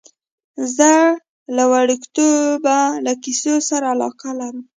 زه له وړکتوبه له کیسو سره علاقه لرم.